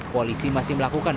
polisi masih melakukan